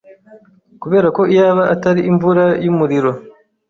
Kuberako iyaba atari imvura yumuriro